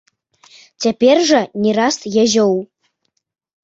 Цяпер жа нераст язёў.